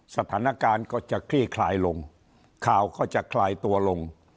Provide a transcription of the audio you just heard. สถานการณ์ก็จะคลี่คลายลงข่าวก็จะคลายตัวลง